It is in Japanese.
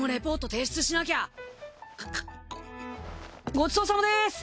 ごちそうさまです！